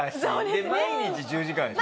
で毎日１０時間でしょ？